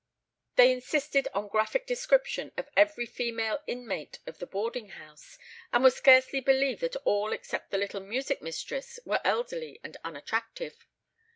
They insisted on a graphic description of every female inmate of the boarding house, and would scarcely believe that all except the little music mistress were elderly and unattractive.